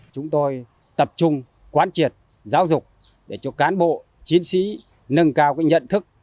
chúng tôi tập trung quán triệt giáo dục để cho cán bộ chiến sĩ nâng cao nhận thức